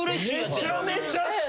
めちゃめちゃ好きやん！？